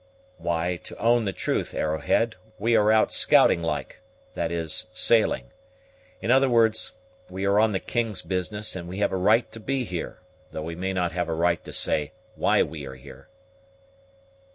"Why, to own the truth, Arrowhead, we are out scouting like; that is, sailing in other words, we are on the king's business, and we have a right to be here, though we may not have a right to say why we are here."